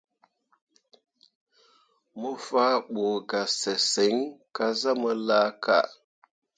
Mo faa ɓu ga sesǝŋ kah zah mu laaka.